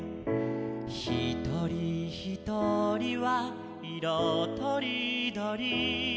「ひとりひとりはいろとりどり」